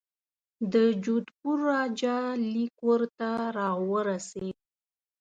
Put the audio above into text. د جودپور راجا لیک ورته را ورسېد.